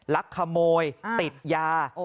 ลักขโมยติดยา